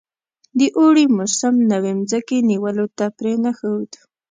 د اوړي موسم نوي مځکې نیولو ته پرې نه ښود.